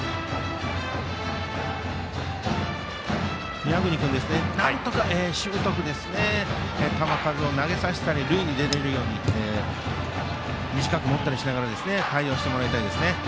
宮國君、なんとかしぶとく球数を投げさせたり塁に出られるように短く持ったりしながら対応してもらいたいですね。